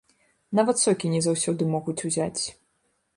Нават сокі не заўсёды могуць узяць.